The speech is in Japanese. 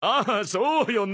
そうよね！